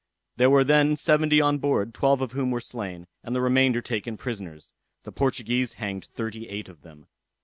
There were then seventy on board, twelve of whom were slain, and the remainder taken prisoners. The Portuguese hanged thirty eight of them.